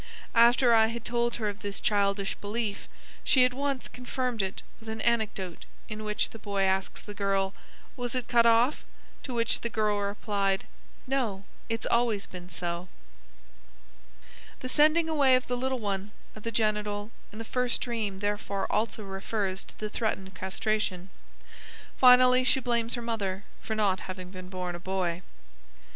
After I had told her of this childish belief, she at once confirmed it with an anecdote in which the boy asks the girl: "Was it cut off?" to which the girl replied, "No, it's always been so." The sending away of the little one, of the genital, in the first dream therefore also refers to the threatened castration. Finally she blames her mother for not having been born a boy.